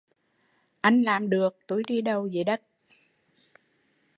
Anh làm được, tui đi đầu dưới đất